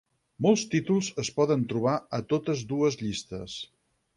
Molts títols es poden trobar a totes dues llistes.